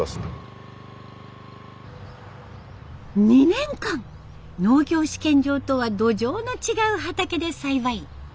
２年間農業試験場とは土壌の違う畑で栽培。